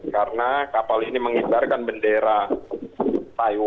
karena kapal ini mengibarkan bendera taiwan